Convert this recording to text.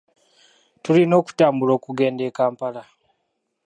Tulina okutambula okugenda e Kampala.